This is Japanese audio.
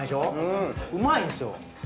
うまいんすよ。